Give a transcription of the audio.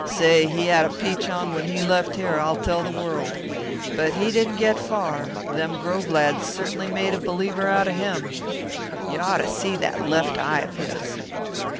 Say, he had a peach on when he left here, I'll tell the world! But he didn't get far. Them Grove lads certainly made a believer out of him. You ought to see that left eye of his!"